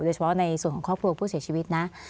โดยเฉพาะในส่วนข้อกภูกผู้เสียชีวิตนะ